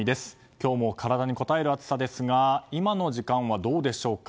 今日も体にこたえる暑さですが今の時間はどうでしょうか。